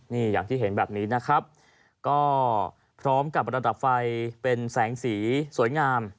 นี่อย่างที่เห็นแบบนี้นะครับก็พร้อมกับระดับไฟเป็นแสงสีสวยงาม